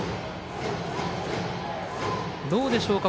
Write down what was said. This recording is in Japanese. どうでしょうか。